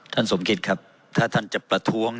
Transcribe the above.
สมคิดครับถ้าท่านจะประท้วง